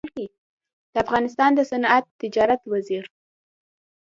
د افغانستان د صنعت تجارت وزیر